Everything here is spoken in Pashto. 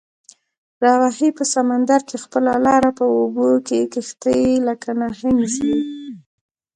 راوهي په سمندر کې خپله لاره، په اوبو کې یې کشتۍ لکه نهنګ ځي